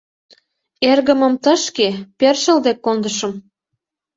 Эргымым тышке, першыл дек, кондышым.